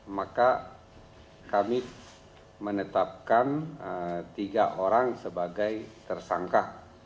maka kami menetapkan tiga orang sebagai tersangka